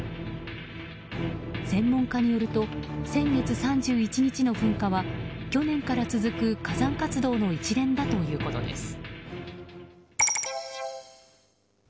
専門家によると先月３１日の噴火は去年から続く火山活動の一連だということです。